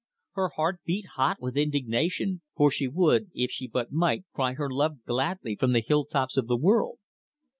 Her heart beat hot with indignation, for she would, if she but might, cry her love gladly from the hill tops of the world.